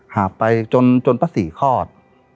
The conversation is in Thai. หาบไปจนป้าศรีคลอด